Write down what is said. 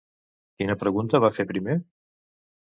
Quina pregunta va fer primer?